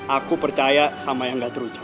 aku percaya sama yang gak terucap